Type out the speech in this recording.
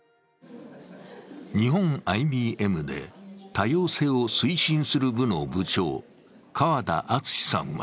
日本ＩＢＭで多様性を推進する部の部長、川田篤さんは